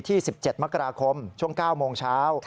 ๑๗มกราคมช่วง๙โมงเช้า